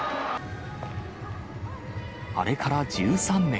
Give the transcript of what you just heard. あれから１３年。